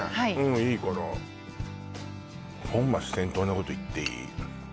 いいから本末転倒なこと言っていい？